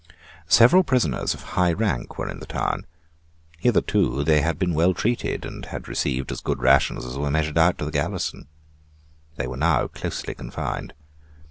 Several prisoners of high rank were in the town. Hitherto they had been well treated, and had received as good rations as were measured out to the garrison. They were now, closely confined.